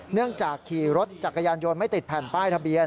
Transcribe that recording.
เนื่องจากขี่รถจักรยานยนต์ไม่ติดแผ่นป้ายทะเบียน